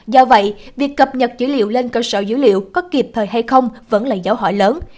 do vậy việc cập nhật dữ liệu lên cơ sở dữ liệu có kịp thời hay không vẫn là dấu hỏi lớn